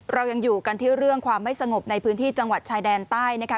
เรายังอยู่กันที่เรื่องความไม่สงบในพื้นที่จังหวัดชายแดนใต้นะคะ